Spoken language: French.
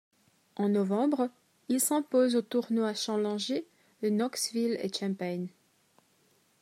En novembre, il s'impose aux tournois Challenger de Knoxville et Champaign.